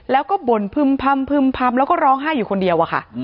แล้วก็บ่นพึ่มพำพึ่มพำแล้วก็ร้องไห้อยู่คนเดียว